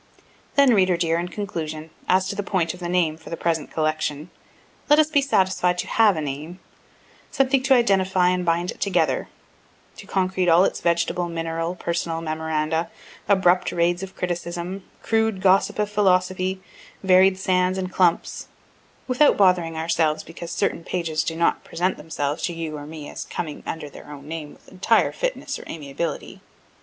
Then reader dear, in conclusion, as to the point of the name for the present collection, let us be satisfied to have a name something to identify and bind it together, to concrete all its vegetable, mineral, personal memoranda, abrupt raids of criticism, crude gossip of philosophy, varied sands and clumps without bothering ourselves because certain pages do not present themselves to you or me as coming under their own name with entire fitness or amiability.